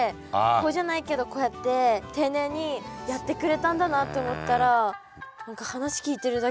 こうじゃないけどこうやって丁寧にやってくれたんだなって思ったら。